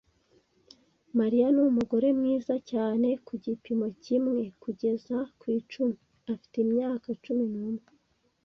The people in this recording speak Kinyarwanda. Mariya numugore mwiza cyane. Ku gipimo kimwe kugeza ku icumi, afite imyaka cumi n'umwe.